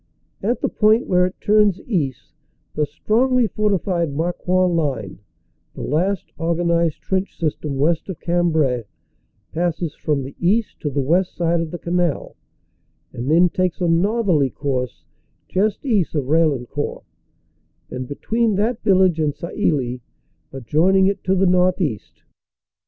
At the point where it turns east, the strongly fortified Marcoing line, the last organized trench system west of Cambrai, passes from the east to the west side of the canal, and then takes a northerly course just east of Raillen court and between that village and Sailly, adjoining it to the northeast.